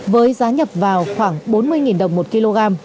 với giá nhập vào khoảng bốn mươi đồng một kg